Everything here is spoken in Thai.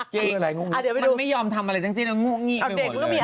เจ๊อี๊กมันไม่ยอมทำอะไรทั้งสิ้นแล้วงูกงี้ไปหมดเลย